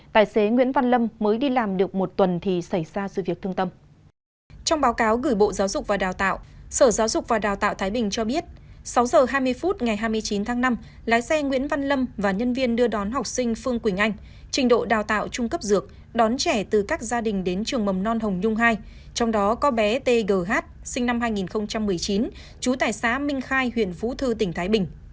trong báo cáo gửi bộ giáo dục và đào tạo sở giáo dục và đào tạo thái bình cho biết sáu h hai mươi phút ngày hai mươi chín tháng năm lái xe nguyễn văn lâm và nhân viên đưa đón học sinh phương quỳnh anh trình độ đào tạo trung cấp dược đón trẻ từ các gia đình đến trường mầm non hồng nhung hai trong đó có bé t g h sinh năm hai nghìn một mươi chín chú tài xá minh khai huyện phú thư tỉnh thái bình